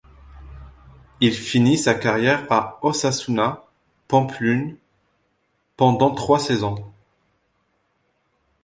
Il finit sa carrière à Osasuna Pampelune pendant trois saisons.